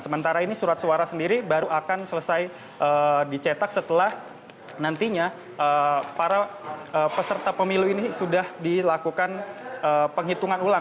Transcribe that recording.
sementara ini surat suara sendiri baru akan selesai dicetak setelah nantinya para peserta pemilu ini sudah dilakukan penghitungan ulang